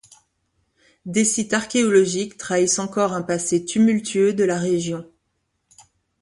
Des sites archéologiques trahissent encore un passé tumultueux de la région.